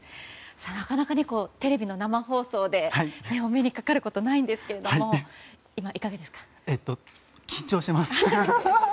なかなかテレビの生放送でお目にかかることないんですけど緊張しています。